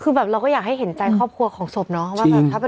คือแบบเราก็อยากให้เห็นใจครอบครัวของศพเนาะว่าแบบ